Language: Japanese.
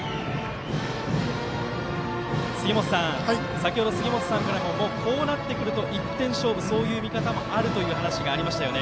先ほど杉本さんからももう、こうなってくると１点勝負という見方もあるという話がありましたよね。